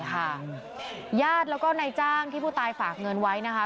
ญาติแล้วก็นายจ้างที่ผู้ตายฝากเงินไว้นะคะ